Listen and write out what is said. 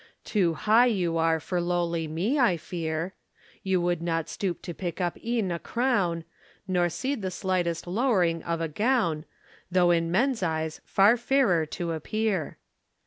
Too high you are for lowly me, I fear. You would not stoop to pick up e'en a crown, Nor cede the slightest lowering of a gown, Though in men's eyes far fairer to appear.